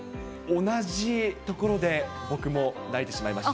同じところで僕も泣いてしまいました。